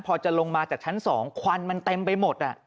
พอจะลงมาจากชั้น๒ควันมันเต็มไปหมด